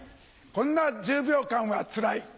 こんな１０秒間はつらい。